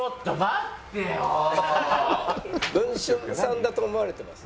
「『文春』さんだと思われてます？」。